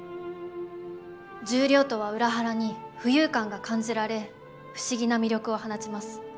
重量とは裏腹に浮遊感が感じられ不思議な魅力を放ちます。